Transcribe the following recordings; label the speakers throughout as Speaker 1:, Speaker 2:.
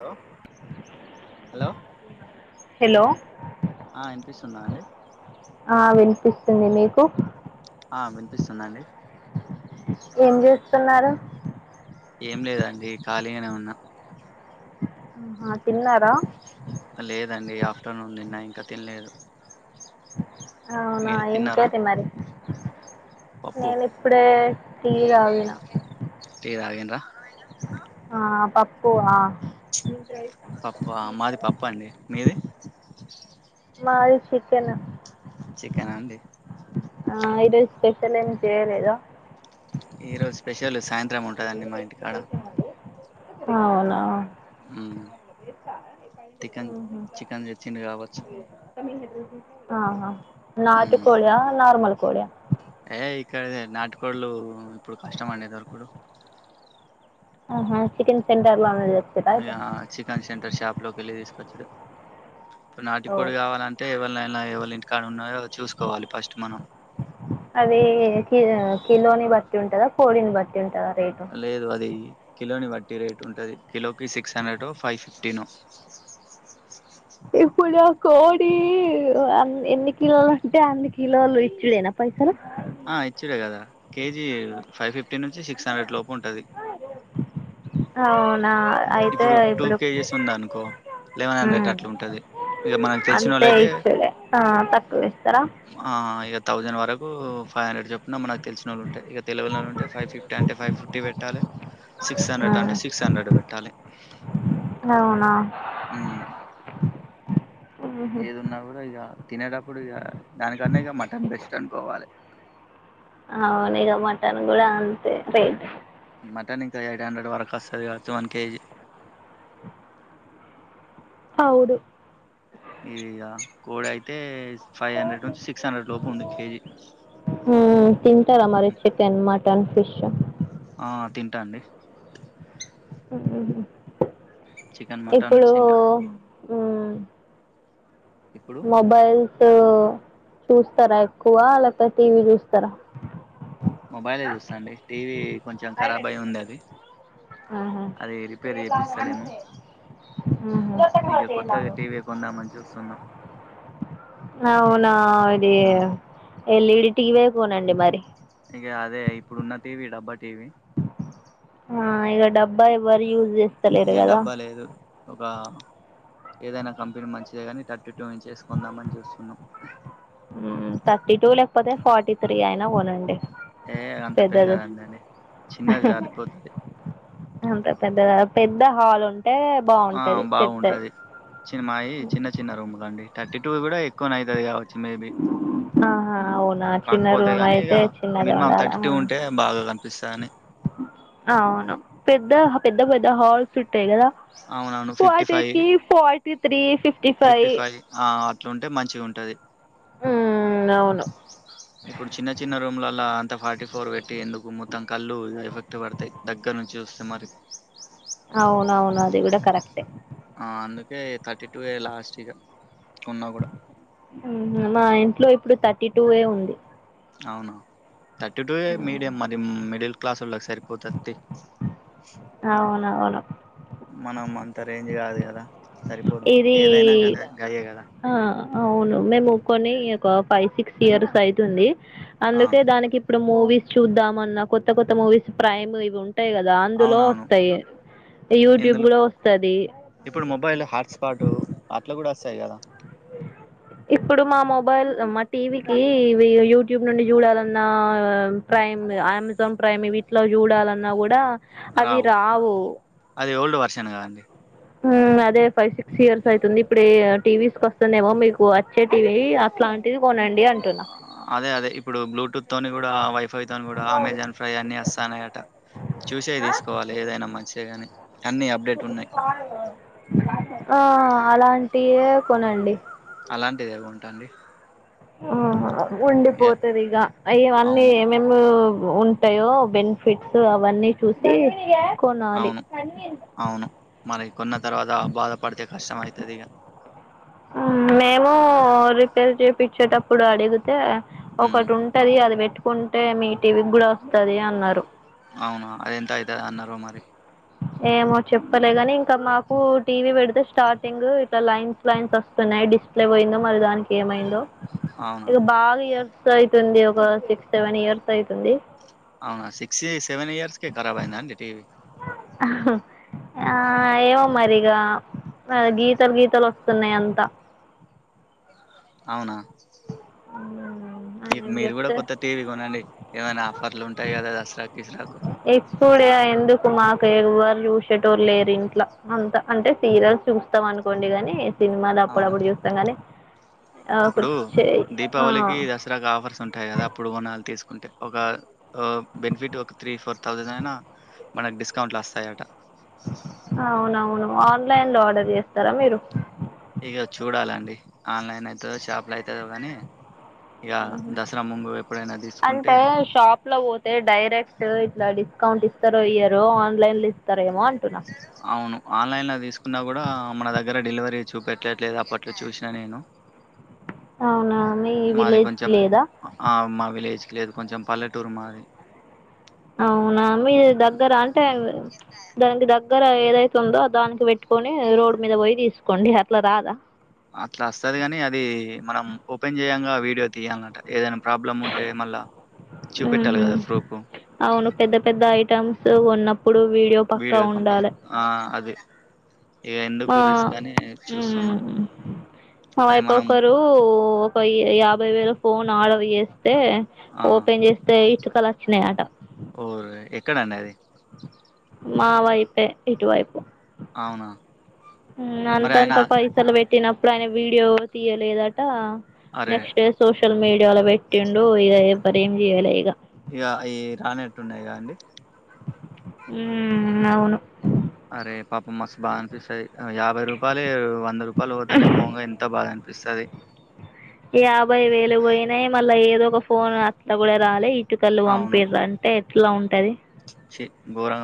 Speaker 1: Hello hello
Speaker 2: hello
Speaker 1: ఆ వినిపిస్తుందా అండి
Speaker 2: ఆ వినిపిస్తుంది మీకు
Speaker 1: ఆ వినిపిస్తుందాండి
Speaker 2: ఏం చేస్తున్నారు
Speaker 1: ఏం లేదండి ఖాళీగానే ఉన్నా
Speaker 2: ఆహ తిన్నారా
Speaker 1: లేదండి ఆఫ్టర్నూన్ తిన్నా ఇంకా తినలేదు
Speaker 2: అవునా
Speaker 1: మీరు
Speaker 2: ఏం
Speaker 1: తిన్నారా
Speaker 2: కర్రీ మరి
Speaker 1: పప్పు
Speaker 2: నేను ఇప్పుడే టీ తాగిన
Speaker 1: దా
Speaker 2: ఆ పప్పు అ
Speaker 1: పప్పా మాది పప్పు అండి మీది
Speaker 2: మాది చికెన్
Speaker 1: చికెనా అండి
Speaker 2: ఆ ఈరోజు స్పెషల్ ఏం చేయలేద
Speaker 1: ఈ రోజు స్పెషల్ సాయంత్రం ఉంటుందండి మా ఇంటికాడ
Speaker 2: అవునా
Speaker 1: మ్మ్ చికెన్
Speaker 2: ఉహూ
Speaker 1: చికెన్ తెచ్చిండు కావచ్చు
Speaker 2: ఆ ఆ నాటి
Speaker 1: మ్మ్
Speaker 2: కోడే ఆ నార్మల్ కోడే
Speaker 1: ఏ ఇక్కడ నాటికోళ్లు ఇప్పుడు కష్టం అండి దొరుకుడు
Speaker 2: ఆహా చికెన్ సెంటర్ లోనేలె
Speaker 1: ఇగ చికెన్ సెంటర్ షాప్ లోకి వెళ్ళి తీసుకొచ్చడు ఇప్పుడు
Speaker 2: ఓ
Speaker 1: నాటికోడి కావాలంటే ఎవరి నైనా ఎవళ ఇంటికాడ ఉన్నాయో చూసుకోవాలి ఫస్ట్ మనం
Speaker 2: అదే [unintelligible] కిలోని బట్టి ఉంటదా కోడిని బట్టి ఉంటదా రేటు
Speaker 1: లేదు అది కిలోని వట్టి రేటు ఉంటది కిలోకి సిక్స్ హండ్రెడ్ ఫైవ్ ఫిఫ్టీన్
Speaker 2: ఇప్పుడు కోడి ఎన్ని కిలోలు అంటే అన్ని కిలోలు ఇచ్చుడున ప్ప ఎక్కడ
Speaker 1: ఆ ఇచ్చుడే కదా కేజీ ఫైవ్ ఫిఫ్టీ నుంచి సిక్స్ హండ్రెడ్ లోపు ఉంటుంది
Speaker 2: అవునా అయితే
Speaker 1: ఇప్పుడు టూ కేజీస్ ఉందా అనుకో లెవెన్ హండ్రెడ్
Speaker 2: ఉమ్
Speaker 1: అట్లా ఉంటది ఇక మనకు తెలిసిన
Speaker 2: అంతే
Speaker 1: వాళ్ళుయితే
Speaker 2: ఇచ్చుడే ఆ తక్కువ ఇస్తారా
Speaker 1: ఆ ఇక థౌజెండ్ వరకు ఫైవ్ హండ్రెడ్ చెప్పిన మనకు తెలిసిన వాళ్ళ ఉంటా ఇక తెలవని వాళ్ళుంటే ఫైవ్ ఫిఫ్టీఅంటే ఫైవ్ ఫిఫ్టీ పెట్టాలి సిక్స్
Speaker 2: ఆ,
Speaker 1: హండ్రెడ్ అంటే సిక్స్ హండ్రెడ్ పెట్టాలి
Speaker 2: అవునా
Speaker 1: హ్మ్మ్
Speaker 2: ఆహా
Speaker 1: ఏదన్నా కూడా ఇగ కాదు తినేటప్పుడు ఇక దానికన్నా ఇక మటన్ రెస్టారెంట్కోవాలి
Speaker 2: అవునుఇక మటన్ కూడా అంతే రేట్
Speaker 1: మటన్ ఇంకా ఎయిట్ హండ్రెడ్ వరకు వస్తది మొత్తం వన్ కేజీ
Speaker 2: అవుదు
Speaker 1: ఇదిక కోడి అయితే ఫైవ్ హండ్రెడ్ నుంచి సిక్స్ హండ్రెడ్ లోపు ఉంది కేజీ
Speaker 2: వన్ ఫిష్
Speaker 1: ఆ తింటా అండి చికెన్ మటన్
Speaker 2: ఇప్పుడూ
Speaker 1: తింటా
Speaker 2: ఊ
Speaker 1: ఇప్పుడు
Speaker 2: మొబైల్ సో చూస్తారా ఎక్కువ లేకపోతే టీవీ చూస్తరా
Speaker 1: మొబైల్ చూస్తండి టీవీ కొంచెం ఖరాబ్ అయి ఉంది అది
Speaker 2: ఆహా
Speaker 1: అది రిపేర్ చేపిస్తలేము ఇక కొత్తగా టీవీ కొందమని చూస్తున్నాం
Speaker 2: అవునా ఇది
Speaker 1: ఉమ్
Speaker 2: ఎల్ఇడి టివి ఏ కొనండి మరి
Speaker 1: ఇగ అదే ఇప్పుడున్న టీవీ డబ్బా టీవీ
Speaker 2: ఆ ఇగ డబ్బా ఎవ్వరు ఈరు
Speaker 1: ఇంక డబ్బా లేదు ఒక ఏదైనా కంపెనీ మంచిదే కానీ ట ఎయిటీ ఇంచెస్ కొందామని చూస్తున్నాం
Speaker 2: కదా ఫార్టీ త్రీ అయినా కొనండి
Speaker 1: ఏ అంత
Speaker 2: పెద్దది
Speaker 1: పెద్దదద్దండి చిన్నది జరిపోతది
Speaker 2: అంత పెద్దా పెద్ద హాల్ ఉం
Speaker 1: ఆ బాగుంటది చి మాయీ చిన్న చిన్న రూములండి థర్టీ టూ గుడా ఎక్కువనె అయితది గావచ్చు మేబీ
Speaker 2: ఆహా అవునా చిన్న
Speaker 1: కాక్పోతే
Speaker 2: రూమ్
Speaker 1: గానీ
Speaker 2: అయితే
Speaker 1: ఇగా
Speaker 2: చిన్నది
Speaker 1: మినిమం
Speaker 2: ఉండాలా
Speaker 1: థర్టీ టూ ఉంటే బాగగనిపిస్తదని
Speaker 2: ఔను పెద్దా హ పెద్ద పెద్ద హాల్సు టయ్ గదా
Speaker 1: అవునవును ఫిఫ్టీ ఫైవ్
Speaker 2: వాటికీ ఫార్టీ త్రీ ఫిఫ్టీ ఫై
Speaker 1: ట్లున్టే మంచిగుంటది
Speaker 2: అవును
Speaker 1: ఇప్పుడు చిన్న చిన్న రూమ్లల్లా ఫార్టీ ఫోర్ వెట్టీ ఎందుకు మొత్తం కళ్ళూ ఎఫెక్ట్ వడుతయ్ దగ్గర్నుంచి చూస్తె మరి
Speaker 2: అవునవును అది గూడ కరెక్టే
Speaker 1: ఆ అందుకే థర్టీ టూ ఏ లాస్ట్ ఇగ ఉన్నా గూడ
Speaker 2: ఉ మా ఇంట్లో ఇప్పుడు థర్టీ టూ ఏ ఉంది
Speaker 1: అవునా థర్టీ టూ ఏ మీడియం మరి మిడిల్ క్లాసొళ్ళకు సరిపోతద్ తీ
Speaker 2: అవునవును
Speaker 1: మనం అంత రేంజ్ గాదు గదా
Speaker 2: ఇదీ
Speaker 1: కదా
Speaker 2: ఆ అవును మేము కొన్నీ ఒక ఫైవ్ సిక్స్ ఇయర్స్ అయితుంది
Speaker 1: ఆ
Speaker 2: అందుకే దానికిప్పుడు కొ మూవీస్ చూద్దామన్న కొత్త కొత్త మూవీస్ ప్రైమ్ ఇవి ఉం టయి గదా అందులో
Speaker 1: అవునవును
Speaker 2: ఒస్తయ్ యూట్యూబ్
Speaker 1: ఇందులో
Speaker 2: గుడా ఒస్తదీ
Speaker 1: పాటూ అట్ల గూడస్తయి గదా
Speaker 2: ఇప్పుడు మా మొబైల్ మా టీవీకీ ఇవీ యూట్యూబ్ నుండి జూడాలన్నా ప్రై ప్రైమ్ అమెజాన్ ప్రైమ్ ఇవిట్లో జూడాలన్నా గూడా అవి
Speaker 1: రావు
Speaker 2: రావూ
Speaker 1: అది ఓల్డ్ వర్షన్ కదండి
Speaker 2: ఊ అదే ఫైవ్ సిక్స్ ఇయర్స్ అయితుంది ఇప్పుడే టీవీస్ కొస్తుందేమో మీకు వచ్చే టీవీ అట్ల టిది కొనన్
Speaker 1: అదే అదే ఇప్పుడు బ్లూటూత్ తోని గూడా వైఫై తోని గూడా అమెజాన్ ప్రై అన్ని అస్తాన్నయట చూషే దీస్కోవాలె ఏదైన మంచిగ గని
Speaker 2: ఆ అలాంటియే కొనండి
Speaker 1: అలాంటిదే గొంట అండి
Speaker 2: ఆహా ఉండిపోతదిగ ఆ యివన్నీ
Speaker 1: అవును
Speaker 2: మేమూ ఉంటయో బెనిఫిట్స్ అవన్నీ చూసీ కొనాలి
Speaker 1: అవును అవును మరి కొన్న తర్వాతా బాధపడితే కష్టమయితదిగ
Speaker 2: ఊ మేమూ రిపేర్ చేపిచ్చేటప్పుడు అడుగు తే
Speaker 1: ఉమ్
Speaker 2: ఒకటుంటది అది బెట్టుకుంటే మీ టీవీగ్గుడా ఒస్తదీ అన్నారు
Speaker 1: అవునా అదెంత అయితదన్నరో మరి
Speaker 2: ఏమో చెప్పలేగనీ ఇంక మాకూ టీవీ బెడితే స్టార్టింగూ ఇట్ల లైన్స్ లైన్స్ ఒస్తుండె డిస్ప్లే వోయిందో మరి దానికేమైందో
Speaker 1: అవునా
Speaker 2: ఇగ బాగియర్స్ అయితుంది ఒక సిక్స్ సెవెన్ ఇయర్స్ అయితుంది
Speaker 1: అవునా సిక్స్ సెవెన్ ఇయర్స్ కే కరాబ్ అయిందా అండి టీవీ
Speaker 2: ఆ ఏమో మరిగా ఆ గీతలు గీతలొస్తున్నయ్ అంతా
Speaker 1: అవునా
Speaker 2: ఊ
Speaker 1: ఇగ మీరు గూడ కొత్త టీవీ గొనండి ఏమైనా ఆఫర్లుంటయ్ గదా దసరా గిసరాకు
Speaker 2: ఎప్పుడే ఎందుకు మాకు ఎగువారు చూసేటోల్లేరు ఇంట్లో అంతా అంటే సీరియల్స్ చూస్తాం అనుకోండి ని సినిమాలు
Speaker 1: అవునా
Speaker 2: అప్పుడప్పుడు చూస్తాం కానీ ఆ, ఒక
Speaker 1: ఇప్పుడు
Speaker 2: చే-
Speaker 1: దీపావళికి
Speaker 2: ఆ,
Speaker 1: దసరాగా ఆఫర్స్ ఉంటాయి కదా అప్పుడు ఒక నాలుగు తీసుకుంటే ఒక బెనిఫిట్ ఒక త్రీ ఫోర్ థౌజండ్ అయిన మనకి డిస్కౌంట్లు వస్తాయ అట
Speaker 2: చేస్తరా మీరు
Speaker 1: ఇక చూడాలండి ఆన్లైన్ అయితదో షాపు లో అవుతుందో కానీ ఇక
Speaker 2: మ్మ్.
Speaker 1: దసరా ముంగు ఎప్పుడైన తీసుకుంటే
Speaker 2: ఇట్ల పోతే డైరెక్ట్ ఇట్లా డిస్కౌంట్ ఇస్తారు ఇయ్యరో ఆన్లైన్ లో ఇస్తారు
Speaker 1: అవును ఆన్లైన్ల తీసుకున్నా కూడ మన దగ్గర డెలివరీ చూపెట్టట్లేదు అప్పట్లో చూసిన నేను
Speaker 2: అవునా మీ
Speaker 1: మాది
Speaker 2: విలేజ్కి
Speaker 1: కొంచెం
Speaker 2: లేదా
Speaker 1: ఆ మా విలేజ్ లేదు కొంచెం పల్లెటూరు మాది
Speaker 2: అవున మీ దగ్గర అంటే దానికి దగ్గర దగ్గర ఏదైతుందో దానికి పెట్టుకొని రోడ్డు మీద పోయి తీసుకోండి అట్ల రాద
Speaker 1: అట్ల వస్తది కాని అది మనం ఓపెన్ చేయంగా వీడియో తీయాలన్నంట ఏదైనా ప్రాబ్లం ఉంటే మళ్ళా
Speaker 2: ఊహు
Speaker 1: చూపెట్టాలి కదా ప్రూఫ్
Speaker 2: అవును పెద్ద పెద్ద ఐటమ్స్ సో ఉన్నప్పుడు వీడియో పక్కా
Speaker 1: కంపల్స
Speaker 2: ఉండాలె
Speaker 1: ఆ అది ఇగ
Speaker 2: మా
Speaker 1: ఎందుకు రిస్క్ అని
Speaker 2: ఉ
Speaker 1: చూస్తున్నా
Speaker 2: మా
Speaker 1: అది
Speaker 2: వైపు
Speaker 1: మనం
Speaker 2: ఒక్కరు ఒక యాభై వేల ఫోన్ ఆడర్ చేసి ే
Speaker 1: ఆ
Speaker 2: ఓపెన్ చేస్తే ఇటుకలు వచ్చినాయి అంట
Speaker 1: ఓరే ఎక్కడండి అది
Speaker 2: మా వైపె ఇటు వైపు
Speaker 1: అవునా మరి ఆయన
Speaker 2: అంతంత పైసలు పెట్టిన ఇప్పుడు ఆయన వీడియో తీయలేదట
Speaker 1: అరే
Speaker 2: నెక్స్ట్ డే సోషల్ సోషల్ మీడియాలో పెట్టిండు ఇది ఎవరు ఏం చేయ్యలె ఇక
Speaker 1: ఇక ఈ రానట్టున్నాయిగా అండి
Speaker 2: ఉమ్ అవును
Speaker 1: అరే పాపం మస్తు బాధ అనిపిస్తది యాభై రూపాయలే పిస్తది
Speaker 2: యాభై వేలు పోయినయి మళ్ళా ఏదో ఒక ఫోన్ అట్ల కూడ రాలే ఇట్టుకలు పంపిరంటే ఎట్లా ఉంటది
Speaker 1: ఛి గోరం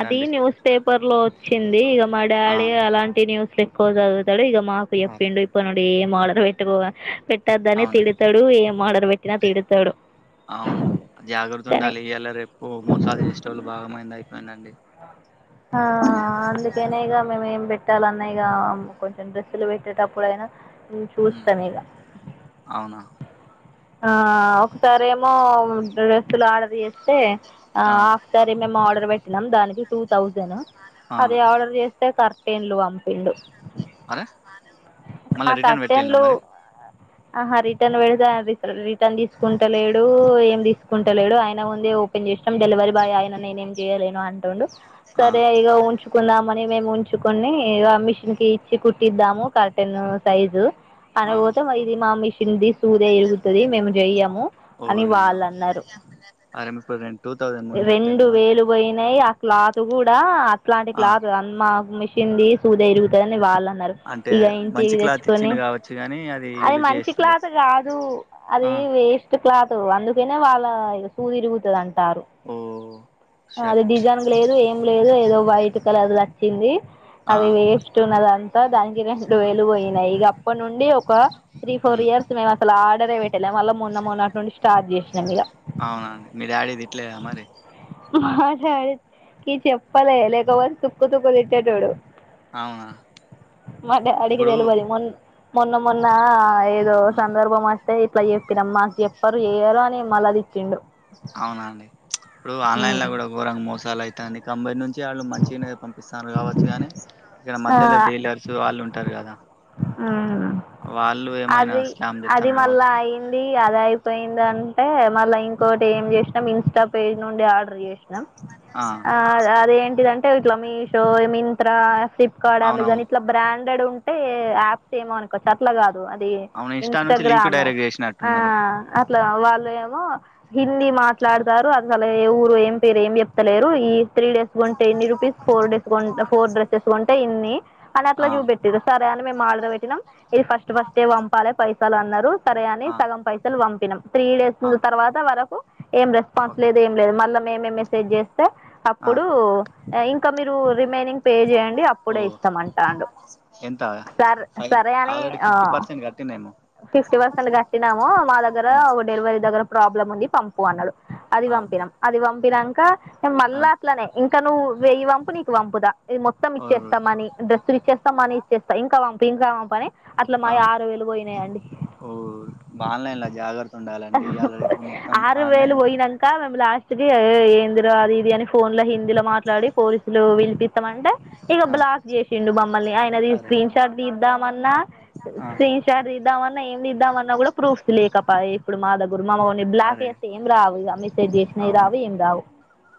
Speaker 2: అది న్యూస్ పేపర్ లో వచ్చింది ఇక మా
Speaker 1: ఆ
Speaker 2: డాడీ అలాంటి న్యూస్ కోోజగుతాడు ఇక మాకు
Speaker 1: ఆ,
Speaker 2: చెప్పిండు ఇప్పుడ్ నుండి ఏ ఆడ్ర పెట్టుకో పె పట్టద్దని
Speaker 1: అవునా
Speaker 2: తిడతడు ఏం ఆర్డర్ పెట్టినా తిడతాడు
Speaker 1: అవును జాగ్రత్త
Speaker 2: కానీ
Speaker 1: ఉండాలి ఇ యాళ రేపు మోసాలు చేసే వాళ్ళు బాగమై అవునండి
Speaker 2: ఆ అందుకనే ఇక మేముేం పెట్టాలన్నా ఇక కొంచెం డ్రెస్సులు పెట్టేటప్పుడుైనా నేన్
Speaker 1: ఉమ్
Speaker 2: చూస్తాను ఇగ
Speaker 1: అవునా
Speaker 2: ఆ ఒకసారిేమో డ్రెస్సులు ఆర్డర్ చేస్తే
Speaker 1: ఆ
Speaker 2: హాఫ్ సారి మేము ఆర్డర్ పెట్టినాం దానికి టూ థౌజండ్
Speaker 1: ఆ
Speaker 2: అది ఆర్డర్ చేస్తే కర టైమ్ లో పప్పిండు
Speaker 1: అరే మళ్ళా
Speaker 2: ఆ
Speaker 1: రిటర్న్ పెట్టిండ్ల
Speaker 2: కటెన్లు
Speaker 1: మరి
Speaker 2: ఆహా రిటర్న్ పెడితే రిటర్న్ తీసుకుంటలేడు ఏం తీసుకుంటలేడు ఆయన ముందే ఓపెన్ ాం డెలివరీ బాయ్ ఆయన నేం చేయలే అంటుండు
Speaker 1: ఆ
Speaker 2: సరే ఉంచ కుందామని మేము ఉంచుకొని మిషన్ కి ఇచ్చి కుట్టిద్దాము కర్టెన్ సైజు
Speaker 1: ఆ
Speaker 2: అనకోతం ఇది మా మిషిన్దీ సూదే ఇరుగుతది మేము చెయ్యము అని
Speaker 1: ఓరి
Speaker 2: వాళ్ళు అన్నారు
Speaker 1: అమ్మ ఆరపోంటూ తౌసండ్ మూ అటమ
Speaker 2: రెండు వేలు పోయినాయి ఆ క్లాత్ కూడా అట్లాంటి
Speaker 1: ఆ
Speaker 2: క్లాత్ అ మా మిషంది సోది ఇరుగుతాదని వాళ్ళ
Speaker 1: అంటే మంచి క్లాత్
Speaker 2: తెచ్చుకొని
Speaker 1: ఇచ్చిండు కావచ్చు గాని
Speaker 2: అది
Speaker 1: వీళ్ళు
Speaker 2: మంచి
Speaker 1: చేస్తలే
Speaker 2: క్లాత్ కాదు అది
Speaker 1: ఆ
Speaker 2: వేస్ట్ క్లాత్ అందుకేనే వాళ్ళ ఇ సూదీ ఇరుగుతుంది అంటే టారు
Speaker 1: ఓ
Speaker 2: అది
Speaker 1: షర్ట్
Speaker 2: డిజైన్ లేదు ఏం లేదు ఏదో వైట్ కలర్ నచ్చింది
Speaker 1: ఆ
Speaker 2: అది వేస్ట్ ఉన్నదంతా దానికి రెండు వేలు పోయినాయి ఇక అప్పటి నుండి ఒక త్రీ ఫోర్
Speaker 1: ఉమ్
Speaker 2: ఇయర్స్ మే అస ఆర్రే పెట్ ల మల్ల మూన్న మూన్నటి నుండి స్టార్ట్ చేసినాం ఇక
Speaker 1: అవునా అండి మీ డాడీ తిట్టలేదా మరి
Speaker 2: మాటకి చెప్పాల లేకపోళ తుక్కు తుక్కు తిట్టేటోడు
Speaker 1: అవునా ఇప్పుడు
Speaker 2: తెలువదు మొ మొన్న మొన్న ఏదో
Speaker 1: ఉమ్
Speaker 2: సందర్భం వా తే ఇట్లా చెప్పినమ్ మాకు చెప్పారు చేయ్యరు అని మళ్ళది ఇిచ్చిండు
Speaker 1: అవునా అండి ఇప్పుడు ఆన్లైన్ లో కూడా ఘోరంగ మోసాలు అయితండి తంభై నుంచి వాళ్ళు మంచిగా పంపిస్తన్నారు కావచ్చు కాగానీ ఇక్కడ
Speaker 2: ఆ
Speaker 1: మధ్యలో డీలర్స్ వాళ్ళు ఉంటారు కదా
Speaker 2: ఉమ్
Speaker 1: వాళ్ళు ఏమైనా
Speaker 2: అది
Speaker 1: స్కామ్
Speaker 2: అది
Speaker 1: చేత్తారు
Speaker 2: మళ్ళా
Speaker 1: కావచ్చు
Speaker 2: అయియంది అది అయి పోయింది అంటే మళ్ళీ ఇంకోటి ఏం చేసినాం ఇన్స్టా పేజ్ నుండి ఆర్డర్ చేసాం
Speaker 1: ఆ
Speaker 2: అదేంటిదంటే ఇట్లా మీషో మింత్రా ఫిప్ ఇక్కడ అమెజాన్
Speaker 1: అవునవును
Speaker 2: ఇట్లా బ్రాండెడ్ ఉంటే యాప్స్ ఏమో అనుకోవచ్చు అట్లా కాదు అది
Speaker 1: అవును ఇన్స్టా నుంచి లింక్
Speaker 2: ఇన్స్టాగ్రామ్
Speaker 1: డైరెక్ట్
Speaker 2: ఆ
Speaker 1: చేసినట్టున్నారు
Speaker 2: అట్లా వాళ్ళు ఏమో హిందీ మాట్లాడతారు అదిసలా ఏ ఊరు ఏం పేరు ఏం చెప్తలేరు ఈ త్రీ డేస్ గుంటే ఎన్ని rupees four days four dresses కొంటే ఇన్ని అని అట్లా
Speaker 1: ఆ
Speaker 2: చూపెట్టిారు సరే అని మేము ఆర్డర్ పెట్టినాం ఇది ఫస్ట్ ఫస్ట్యే పంపాలి పైసలు అన్నారు సరే అని
Speaker 1: ఆ
Speaker 2: సగం పైసలు పం త్రీ డేస్
Speaker 1: ఆ
Speaker 2: తర్వాత వరకు ఏం రెస్పాన్స్
Speaker 1: ఓకే
Speaker 2: లేదు ఏం లేదు మళ్ళా మేమే మెసేజ్ చేస్తే
Speaker 1: ఆ
Speaker 2: అప్పుడు ఇంకా మీరు రిమైనింగ్ పే చేయండి
Speaker 1: ఓ
Speaker 2: అప్పుడే ఇస్తాం అంటాను
Speaker 1: ఎంత
Speaker 2: సర
Speaker 1: ఫైవ్
Speaker 2: సరయాని
Speaker 1: ఆల్రెడీ
Speaker 2: ఆ
Speaker 1: ఫిఫ్టీ పర్సెంట్ కట్టిందేమో
Speaker 2: ఫిఫ్టీ పర్సెంట్ కట్టినాము మా దగ్గర
Speaker 1: ఆ
Speaker 2: డెలివరీ దగ్గర ప్రాబ్ల ముంది పంపు అన్నాడు అది
Speaker 1: ఆ! ఓకే
Speaker 2: పంపినాం అది పంపినాక
Speaker 1: ఆ
Speaker 2: మళ్ళా అట్లనే ఇంకా నువ్వు వెయ్యి పంపు నీకు పంపుదా ఇది మొత్తం
Speaker 1: ఓహ్!
Speaker 2: ఇచ్చస్తామని డ్రెస్ ఇచ్చేస్తామ మనీ ఇచ్చస్తా ఇంకా పం ఇంకా వంపని అట్లా మయి
Speaker 1: ఆ!
Speaker 2: ఆరు వేలు పోయినాయండి
Speaker 1: ఓ ఆన్లైన్ లా జాగ్రత్త ఉండాలండి ఇవాళ రేపు మొత్తం ఆన్లైన్
Speaker 2: లాస్ట్ క ఏందిరా అది ఇది అని ఫోన్ లో హిందీలో మాట్లాడి పోలీసులు పలిపిస్తామంటే ఇక
Speaker 1: ఆ
Speaker 2: బ్లాక్ చేసిండు మమ్మల్ని ఆయనది
Speaker 1: అరే
Speaker 2: స్క్రీన్ షాట్ తీద్దామన్నా
Speaker 1: ఆ
Speaker 2: స్క్రీన్ షాట్ తీద్దామన్న ఇద్దామన్నా కూడా ప్రూఫ్స్ లేకపో ఇప్పుడు మా దగ్గర మామగని బ్లాక్
Speaker 1: అరే
Speaker 2: అయిస్త ఏం రావు ఇక మిసేజ్ చేసినా
Speaker 1: అవును
Speaker 2: రావు ఏం రావు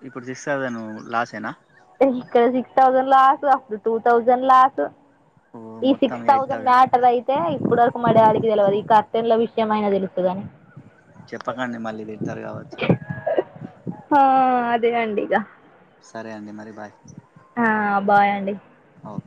Speaker 1: ఇప్పుడు సిక్స్ థౌసంద్ లో సేన
Speaker 2: ఇక్కడ సిక్స్ థౌజండ్ లాస్ అప్పుడు టూ థౌజండ్ లాస్
Speaker 1: ఓ
Speaker 2: ఈ
Speaker 1: మొత్తం
Speaker 2: six
Speaker 1: eight
Speaker 2: thousand
Speaker 1: thousand
Speaker 2: matter అయితే ఇప్పడు వరకు మా డాడీ తెలియదు ఈ కర్తెన్ల విషయంమయినా తెలుసు టగాని
Speaker 1: చెప్పకండి మళ్ళీ తిడతారు కావచ్చు
Speaker 2: ఆ అంతే అండిగా
Speaker 1: సరే అండి మరి బాయ్
Speaker 2: ఆహ్ బాయండి
Speaker 1: అవును